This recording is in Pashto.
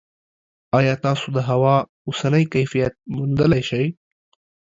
ایا تاسو د هوا اوسنی کیفیت موندلی شئ؟